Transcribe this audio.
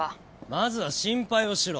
まずは心配をしろ。